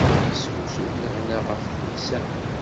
Isrusu-d lehna ɣef tlisa-m.